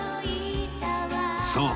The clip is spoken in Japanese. そう